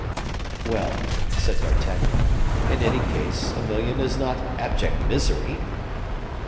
"Well," said D'Artagnan, "in any case, a million is not abject misery."